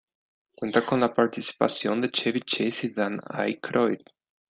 Cuenta con la participación de Chevy Chase y Dan Aykroyd.